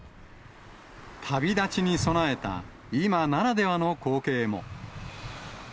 旅立ちに備えた今ならではの光景も。